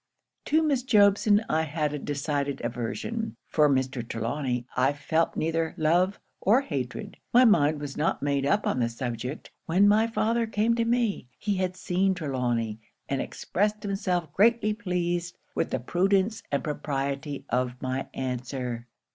To Miss Jobson, I had a decided aversion; for Mr. Trelawny, I felt neither love or hatred. My mind was not made up on the subject, when my father came to me: he had seen Trelawny, and expressed himself greatly pleased with the prudence and propriety of my answer.